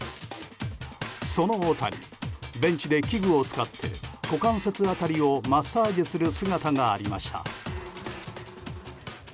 その大谷、ベンチで器具を使って股関節辺りをマッサージする姿がありました。